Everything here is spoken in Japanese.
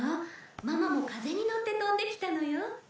ママも風に乗って飛んできたのよ。